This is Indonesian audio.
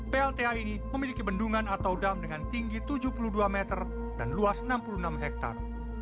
plta ini memiliki bendungan atau dam dengan tinggi tujuh puluh dua meter dan luas enam puluh enam hektare